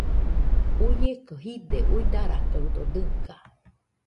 Uieko jide, uidarakaɨdo dɨga.